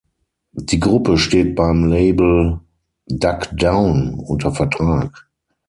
Die Gruppe steht beim Label Duck Down unter Vertrag.